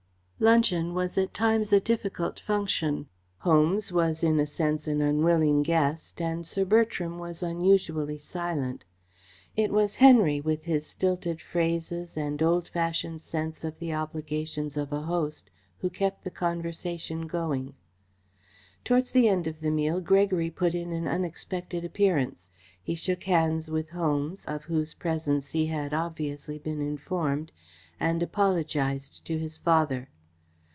Luncheon was at times a difficult function. Holmes was in a sense an unwilling guest, and Sir Bertram was unusually silent. It was Henry, with his stilted phrases and old fashioned sense of the obligations of a host, who kept conversation going. Towards the end of the meal, Gregory put in an unexpected appearance. He shook hands with Holmes, of whose presence he had obviously been informed, and apologised to his father.